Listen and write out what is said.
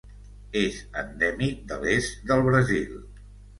És endèmic de l'est del Brasil.